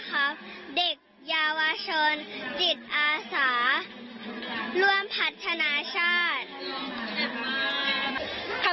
เด็กเยาวชนจิตอาสาร่วมพัฒนาชาติ